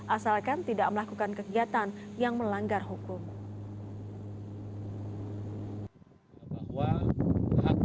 asalkan tidak melakukan kegiatan yang melanggar hukum